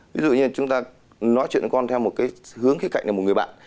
ví dụ như chúng ta nói chuyện với con theo một cái hướng kết cạnh của một người bạn